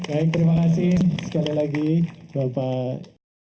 baik terima kasih sekali lagi bapak